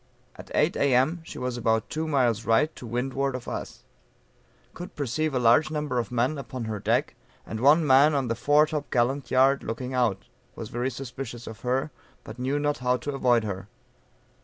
At 8 A.M. she was about two miles right to windward of us; could perceive a large number of men upon her deck, and one man on the fore top gallant yard looking out; was very suspicious of her, but knew not how to avoid her.